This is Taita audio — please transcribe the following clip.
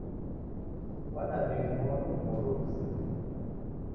Wadambie kimonu mori ghusirie.